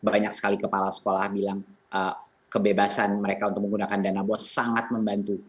banyak sekali kepala sekolah bilang kebebasan mereka untuk menggunakan dana bos sangat membantu